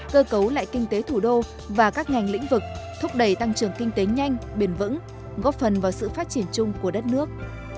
cơ cấu lại kinh tế thủ đô và các ngành lĩnh vực thúc đẩy tăng trưởng kinh tế nhanh bền vững góp phần vào sự phát triển chung của đất nước